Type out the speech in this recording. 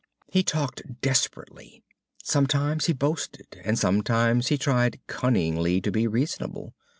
He talked desperately. Sometimes he boasted, and sometimes he tried cunningly to be reasonable.